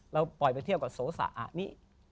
เราปล่อยไปเทียบกับโสสะอานี่